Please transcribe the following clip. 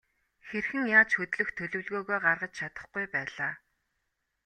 Хэрхэн яаж хөдлөх төлөвлөгөөгөө гаргаж чадахгүй байлаа.